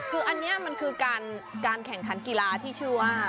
คืออันนี้มันคือการแข่งขันกีฬาที่ชื่อว่า